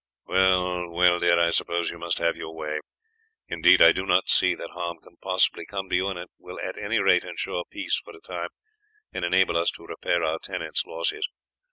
"Well, well, dear, I suppose you must have your way; indeed I do not see that harm can possibly come to you, and it will at any rate ensure peace for a time and enable us to repair our tenants' losses.